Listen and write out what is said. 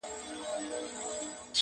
د الماسو یې جوړ کړی دی اصلي دی,